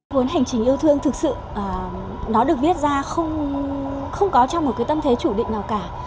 cuốn hành trình yêu thương thực sự nó được viết ra không có trong một cái tâm thế chủ định nào cả